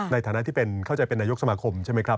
ในฐานะเข้าใจเป็นนายกสมหาคมใช่ไหมครับ